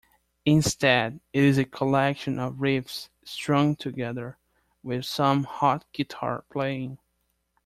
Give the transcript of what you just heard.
Instead, it is a collection of riffs strung together, with some hot guitar playing.